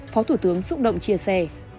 phó thủ tướng xúc động chia sẻ